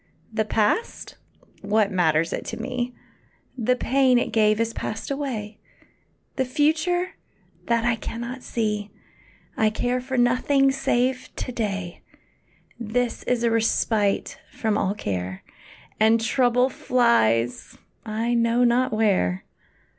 The past what matters it to me? The pain it gave has passed away. The future that I cannot see! I care for nothing save to day This is a respite from all care, And trouble flies I know not where.